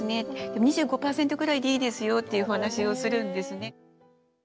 ２５％ぐらいでいいですよっていうお話をするんですね。